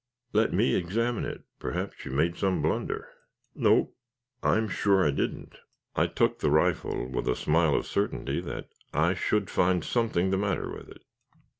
"Let me examine it. Perhaps you made some blunder." "No, I'm sure I didn't." I took the rifle, with a smile of certainty that I should find something the matter with it.